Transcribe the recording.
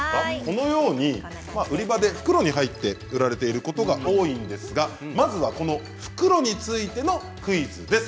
このように売り場で袋に入って売られていることが多いんですがまずはこの袋についてのクイズです。